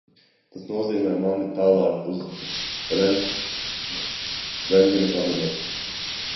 Tas nozīmē mani tālāk uz rentgena kabinetu.